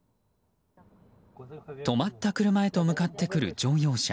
止まった車へと向かってくる乗用車。